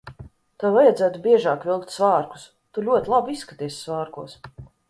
Tev vajadzētu biežāk vilkt svārkus. Tu ļoti labi izskaties svārkos.